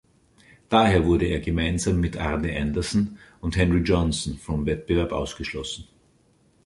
Daher wurde er, gemeinsam mit Arne Andersson und Henry Jonsson, vom Wettbewerb ausgeschlossen.